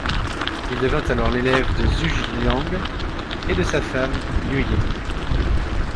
Il devient alors l'élève de Zhuge Liang, et de sa femme, Yueying.